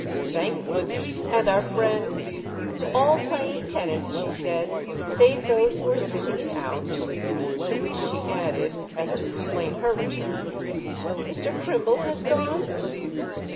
"Thank goodness! And our friends?" "All playing tennis," she said—"save those who are sitting it out." To which she added, as to explain her return: "Mr. Crimble has gone?"